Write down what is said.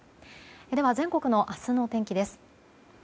では全国の明日の天気です。